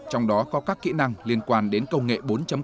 trong đó có các kỹ năng liên quan đến công nghệ bốn